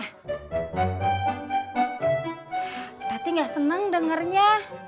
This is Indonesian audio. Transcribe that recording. tati gak seneng dengernya